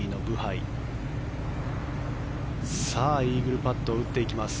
イーグルパットを打っていきます。